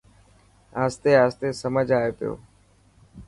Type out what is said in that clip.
آهستي آهستي سمجهه آئي پيو.